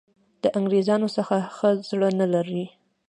د انګرېزانو څخه ښه زړه نه لري.